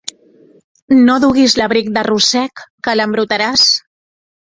No duguis l'abric de rossec, que l'embrutaràs.